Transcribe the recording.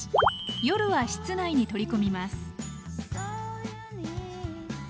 夜は室内に取り込みます